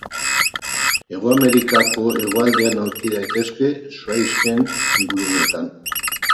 Hego Amerikako hegoaldean aurki daitezke, zuhaixken ingurunetan.